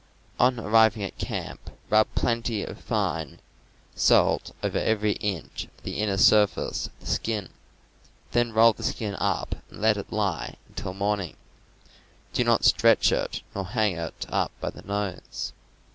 On arriving at camp, rub 'plenty of fine salt over every inch of the inner surface of the skin; then roll . the skin up and let it lie until morning; c!^ ^® do not stretch it nor hang it up by the ^* nose.